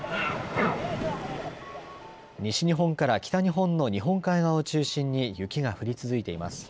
西日本から北日本の日本海側を中心に雪が降り続いています。